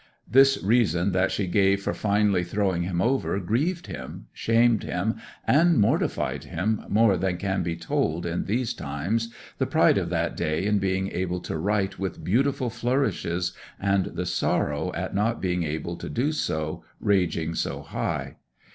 This reason that she gave for finally throwing him over grieved him, shamed him, and mortified him more than can be told in these times, the pride of that day in being able to write with beautiful flourishes, and the sorrow at not being able to do so, raging so high.